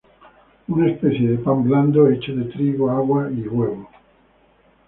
Una especie de pan blando hecho de trigo, agua y huevo.